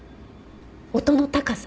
音の高さ